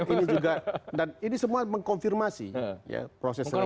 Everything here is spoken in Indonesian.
ini semua mengkonfirmasi proses seleksi ya